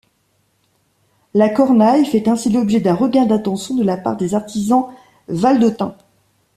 La cornaille fait ainsi l'objet d'un regain d'attention de la part des artisans valdôtains.